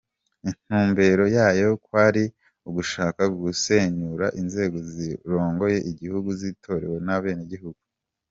Intumbero yayo kwari ugushaka gusenyura inzego zirongoye igihugu zitorewe n'abenegihugu.